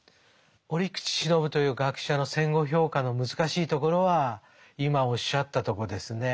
折口信夫という学者の戦後評価の難しいところは今おっしゃったとこですね。